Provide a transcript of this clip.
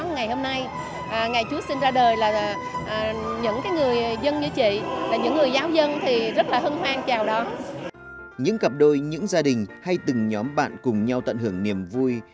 những cặp đôi những gia đình hay từng nhóm bạn cùng nhau tận hưởng niềm vui